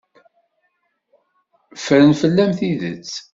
Ffren fell-am tidet.